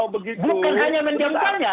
bukan hanya menjamkannya